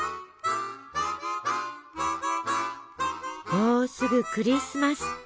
もうすぐクリスマス！